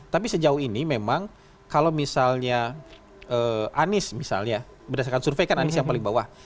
tapi sejauh ini memang kalau misalnya anies misalnya berdasarkan survei kan anies yang paling bawah